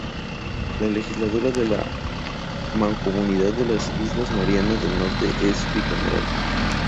La Legislatura de la Mancomunidad de las Islas Marianas del Norte es bicameral.